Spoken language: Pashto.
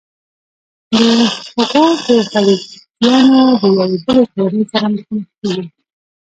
د غور د خلجیانو د یوې بلې کورنۍ سره مخامخ کیږو.